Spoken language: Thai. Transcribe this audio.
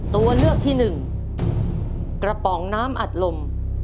ตัวเลือกที่หนึ่งกระป๋องน้ำอัดลม